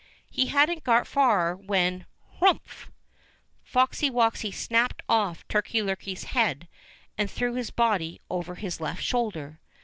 He hadn't got far when — "Hrumph!" Foxy woxy snapped off Turkey lurkey*s head and threw his body over his left shoulder.